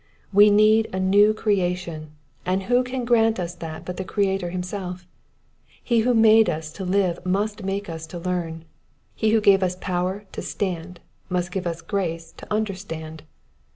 We need a new crea tion, and who can grant us that but the Creator himself? He who made us to live must make us to learn ; he who gave us power to stand must give us grace to understand.